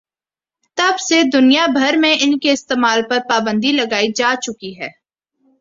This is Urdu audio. تب سے دنیا بھر میں ان کے استعمال پر پابندی لگائی جاچکی ہے